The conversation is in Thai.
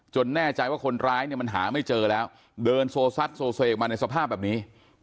แน่ใจว่าคนร้ายเนี่ยมันหาไม่เจอแล้วเดินโซซัดโซเซออกมาในสภาพแบบนี้